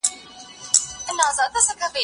هغه څوک چي کالي مينځي پاک اوسي؟!